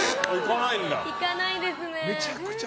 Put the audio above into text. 行かないですね。